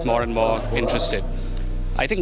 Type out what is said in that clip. saya sangat tertarik